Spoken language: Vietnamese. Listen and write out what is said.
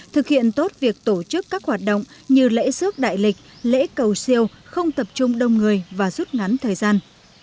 thực hiện tốt việc tổ chức các hoạt động như lễ sước đại lịch lễ cầu siêu không tập trung đông người và rút ngắn thời gian